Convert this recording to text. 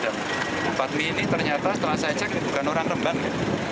dan patmi ini ternyata setelah saya cek bukan orang rembang